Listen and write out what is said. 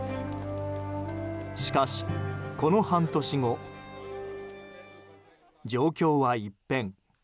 しかし、この半年後状況は一変。